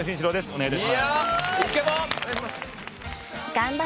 お願い致します。